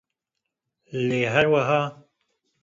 lê her weha